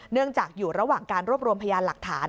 เนื่องจากอยู่ระหว่างการรวบรวมพยานหลักฐาน